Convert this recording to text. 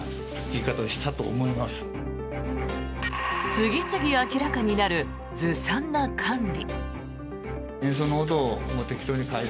次々明らかになるずさんな管理。